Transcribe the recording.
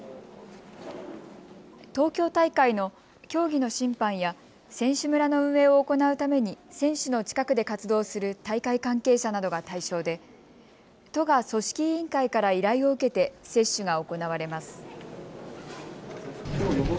東京大会の競技の審判や選手村の運営を行うために選手の近くで活動する大会関係者などが対象で都が組織委員会から依頼を受けて接種が行われます。